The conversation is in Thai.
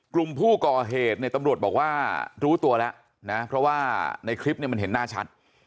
กลุ่มผู้ก่อเหตุเนี่ยตำรวจบอกว่ารู้ตัวแล้วนะเพราะว่าในคลิปเนี่ยมันเห็นหน้าชัด